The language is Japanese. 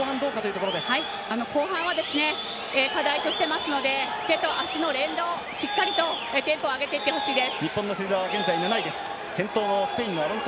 後半は課題としていますので手と足の連動しっかりとテンポ上げていってほしいです。